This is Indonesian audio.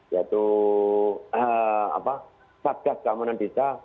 yaitu satgas keamanan desa